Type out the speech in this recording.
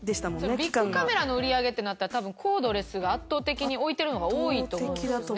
ビックカメラの売り上げってなったら多分コードレスが圧倒的に置いてるのが多いと思うんですよね。